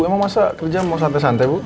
emang masa kerja mau santai santai bu